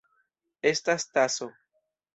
Estas taso.